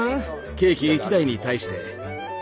ケーキ１台に対して。